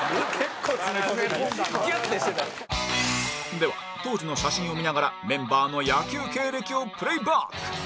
では当時の写真を見ながらメンバーの野球経歴をプレーバック！